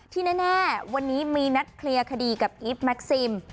ที่แน่วันนี้มีนัดเคลียร์คดีกับอีฟแม็กซิม